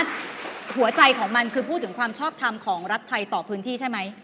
หัวใจของมันคือพูดถึงความชอบทำของรัฐไทยต่อพื้นที่ใช่ไหม